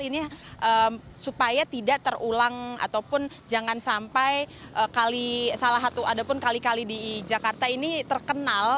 ini supaya tidak terulang ataupun jangan sampai salah satu ada pun kali kali di jakarta ini terkenal